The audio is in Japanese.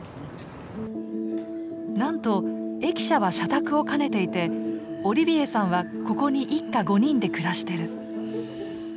なんと駅舎は社宅を兼ねていてオリビエさんはここに一家５人で暮らしてる。